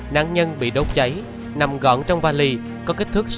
nạn nhân bị đốt cháy nằm gọn trong vali có kích thước sáu mươi x bốn mươi cm